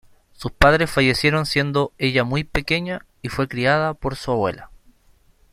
Sus padres fallecieron siendo ella muy pequeña, y fue criada por su abuela.